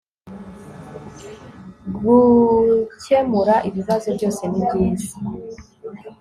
gukemura ibibazo byose nibyiza